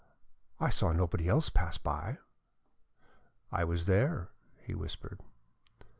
I saw nobody else pass by." "I was there," he whispered.